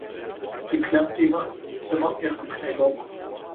det klemte i mig, som om jeg skulle knække over.